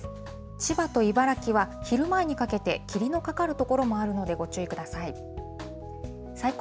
千葉と茨城は昼前にかけて、霧のかかる所もあるのでご注意ください。